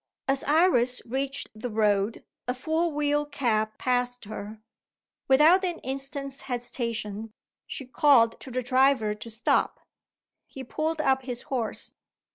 As Iris reached the road, a four wheel cab passed her. Without an instant's hesitation, she called to the driver to stop. He pulled up his horse.